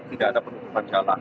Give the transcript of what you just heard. tidak ada penutupan jalan